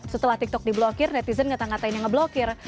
setelah tiktok di blokir netizen ngata katain yang ngeblokir